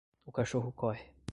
O cachorro corre.